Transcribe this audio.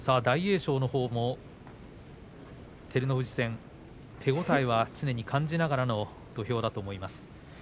大栄翔のほうも照ノ富士戦手応えは常に感じながらの土俵だと思います。